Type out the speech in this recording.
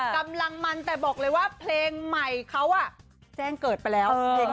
กำลังมันแต่บอกเลยว่าเพลงใหม่เขาแจ้งเกิดไปแล้วเพลงนี้